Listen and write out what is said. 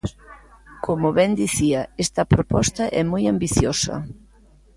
Como ben dicía, esta proposta é moi ambiciosa.